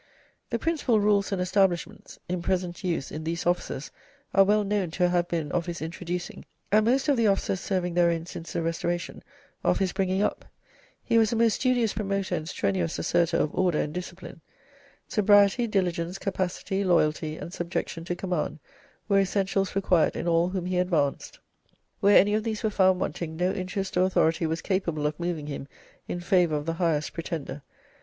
The principal rules and establishments in present use in these offices are well known to have been of his introducing, and most of the officers serving therein since the Restoration, of his bringing up. He was a most studious promoter and strenuous asserter of order and discipline. Sobriety, diligence, capacity, loyalty, and subjection to command were essentials required in all whom he advanced. Where any of these were found wanting, no interest or authority was capable of moving him in favour of the highest pretender.